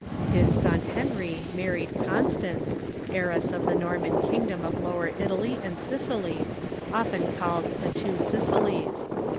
His son Henry married Constance, heiress of the Norman kingdom of Lower Italy and Sicily, often called the Two Sicilies.